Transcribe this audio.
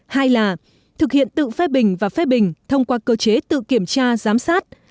hai là thực hiện tự phê bình và phê bình thông qua cơ chế tự kiểm tra giám sát